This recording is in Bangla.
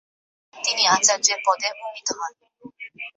তিনি আচার্য্যের পদে উন্নীত হন।